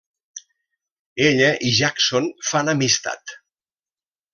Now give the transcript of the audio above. Ella i Jackson fan amistat.